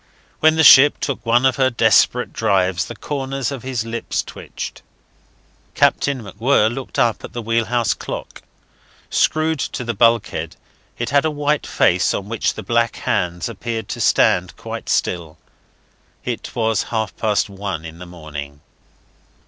When the ship took one of her desperate dives the corners of his lips twitched. Captain MacWhirr looked up at the wheelhouse clock. Screwed to the bulk head, it had a white face on which the black hands appeared to stand quite still. It was half past one in the morning.